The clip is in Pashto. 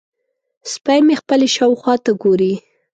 سپی مې خپلې شاوخوا ته ګوري.